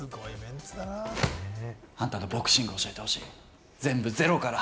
あんたのボクシングを教えてほしい、全部ゼロから。